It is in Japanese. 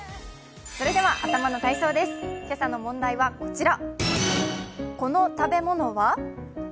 それでは頭の体操です、今朝の問題はこちら。